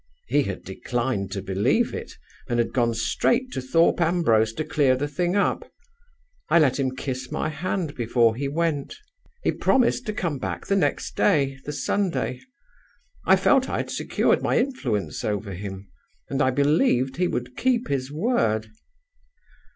He had declined to believe it, and had gone straight to Thorpe Ambrose to clear the thing up. I let him kiss my hand before he went. He promised to come back the next day (the Sunday). I felt I had secured my influence over him; and I believed he would keep his word.